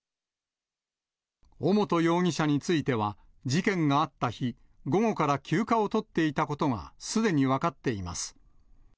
尾本容疑者については、事件があった日、午後から休暇を取っていたことがすでに分かっています。